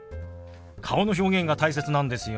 顔の表現が大切なんですよ。